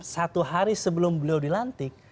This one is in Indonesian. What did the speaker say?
satu hari sebelum beliau dilantik